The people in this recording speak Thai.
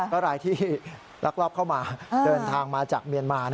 ก็รายที่ลักลอบเข้ามาเดินทางมาจากเมียนมา